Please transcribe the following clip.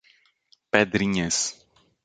Pedrinhas